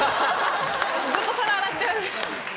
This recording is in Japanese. ずっと皿洗っちゃう。